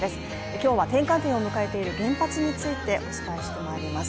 今日は転換期を迎えている原発についてお伝えしてまいります。